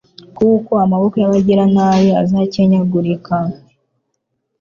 kuko amaboko y’abagiranabi azakenyagurika